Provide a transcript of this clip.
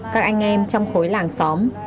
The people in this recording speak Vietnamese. các anh em trong khối làng xóm